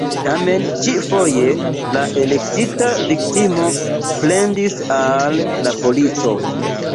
Tamen, ĉi-foje, la elektita viktimo plendis al la polico.